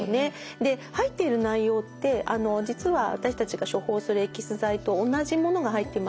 で入っている内容って実は私たちが処方するエキス剤と同じものが入っています。